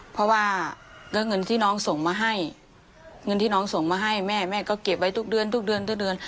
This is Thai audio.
เพราะว่าก็เงินที่น้องส่งมาให้เงินที่น้องส่งมาให้แม่แม่ก็เก็บไว้ทุกเดือนทุกเดือนทุกเดือน